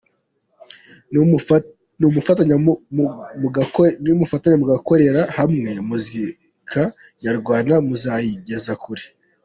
Nimufatanya mugakorera hamwe muzika nyarwanda muzayigeza kure.